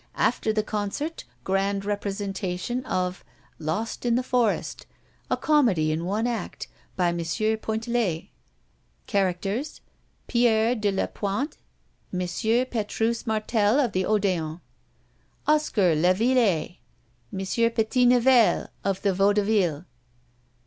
After the Concert, grand representation of Lost in the Forest, a Comedy in one act, by M. Pointellet. Characters: Pierre de Lapointe M. Petrus Martel, of the Odéon. Oscar Léveillé M. Petitnivelle, of the Vaudeville.